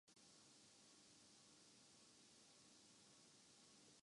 امیر Muawiya یا Muawiya اول اموی خلافت کے بانی تھے